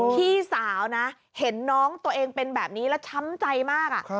พี่สาวนะเห็นน้องตัวเองเป็นแบบนี้แล้วช้ำใจมาก